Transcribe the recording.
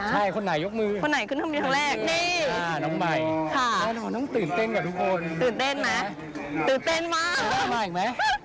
มาอีกไหมมาที่นี่ไหมหรือไม่มาแล้วไปที่อื่น